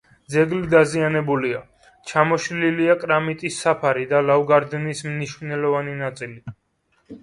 ძეგლი დაზიანებულია: ჩამოშლილია კრამიტის საფარი და ლავგარდნის მნიშვნელოვანი ნაწილი.